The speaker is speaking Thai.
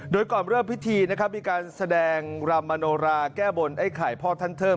โดยก่อนเริ่มพิธีนะครับมีการแสดงรำมโนราแก้บนไอ้ไข่พ่อท่านเทิม